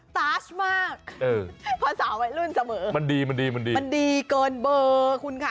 ตั๊ชมากภาษาไว้รุ่นเสมอมันดีเกินเบอร์คุณค่ะ